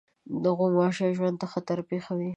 غوماشې ژوند ته خطر پېښوي.